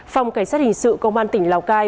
phòng cảnh sát hình sự công an tỉnh lào cai